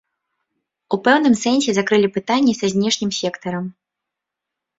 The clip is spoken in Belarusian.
У пэўным сэнсе закрылі пытанне са знешнім сектарам.